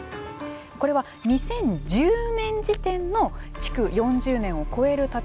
これは２０１０年時点の築４０年を超える建物の数です。